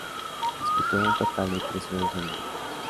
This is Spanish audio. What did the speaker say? Disputó un total de tres Juegos Olímpicos.